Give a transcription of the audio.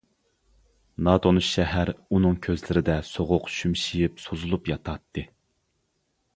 ناتونۇش شەھەر ئۇنىڭ كۆزلىرىدە سوغۇق شۈمشىيىپ سوزۇلۇپ ياتاتتى.